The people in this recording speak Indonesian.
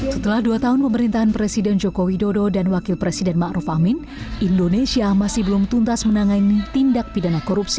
setelah dua tahun pemerintahan presiden joko widodo dan wakil presiden ⁇ maruf ⁇ amin indonesia masih belum tuntas menangani tindak pidana korupsi